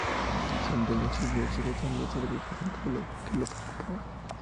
En su sueño siguió razonando sobre los asuntos que lo preocupaban.